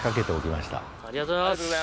ありがとうございます！